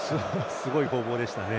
すごい攻防でしたね。